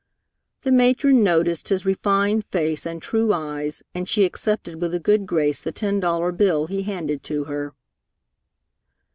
The matron noticed his refined face and true eyes, and she accepted with a good grace the ten dollar bill he handed to her.